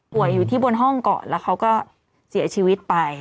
อยู่ที่บนห้องก่อนแล้วเขาก็เสียชีวิตไป